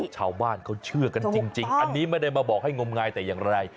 ชาวบ้านเขาเชื่อกันจริงอันนี้ไม่ได้มาบอกให้งมงายแต่อย่างไร